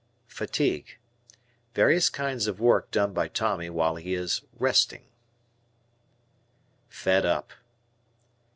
Fatigue. Various kinds of work done by Tommy while he is "resting." "Fed up."